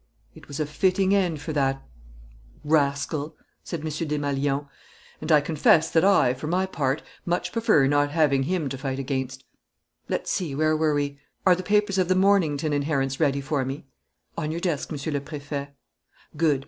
"It was a fitting end for that rascal," said M. Desmalions, "and I confess that I, for my part, much prefer not having him to fight against. Let's see, where were we? Are the papers of the Mornington inheritance ready for me?" "On your desk, Monsieur le Préfet." "Good.